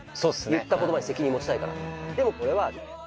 言った言葉に責任持ちたいから。